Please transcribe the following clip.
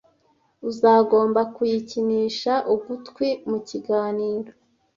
Uzagomba kuyikinisha ugutwi mukiganiro.